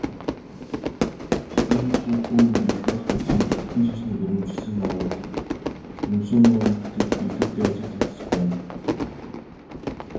Иймэрхүү бөө нэрийг дорд үзэн Буддын шашныг өргөмжилсөн агуулга Юмсуновын бүтээлд илүүтэй ажиглагдаж байна.